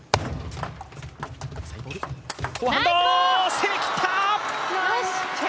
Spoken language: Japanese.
攻めきった！